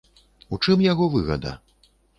У чым яго выгада?